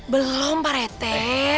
belum pak rete